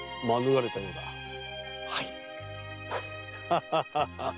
はい。